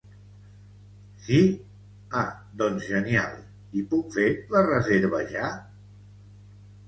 Sí, ah doncs genial, i puc fer la reserva ja?